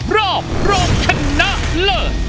รอบโรคชนะเลิศ